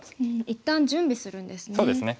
一旦準備するんですね。